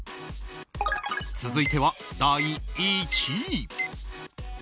続いては第１位。